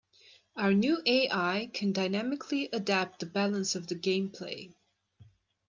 Our new AI can dynamically adapt the balance of the gameplay.